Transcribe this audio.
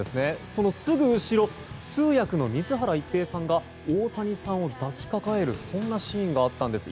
そのすぐ後ろ通訳の水原一平さんが大谷さんを抱きかかえるそんなシーンがあったんです。